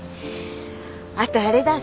あとあれだ。